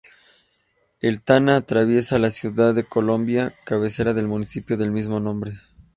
El Tana atraviesa la ciudad de Colombia, cabecera del municipio del mismo nombre.